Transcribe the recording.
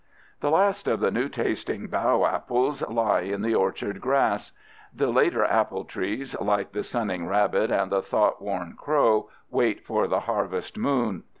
The last of the new tasting bough apples lie in the orchard grass. The later apple trees, like the sunning rabbit and the thought worn crow, wait for the harvest moon.